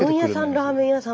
ラーメン屋さん